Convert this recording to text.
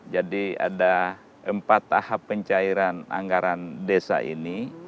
ada empat tahap pencairan anggaran desa ini